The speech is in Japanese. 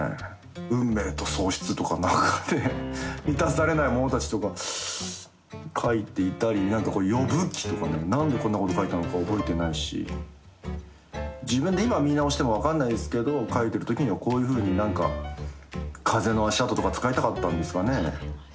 「運命と喪失」とか「満たされないものたち」とか書いていたり、なんかこれヨブ記とかね、なんでこんなこと書いたのか覚えてないし自分で今、見直しても分かんないですけど書いている時にはこういうふうになんか「風の足跡」とか使いたかったんですかね。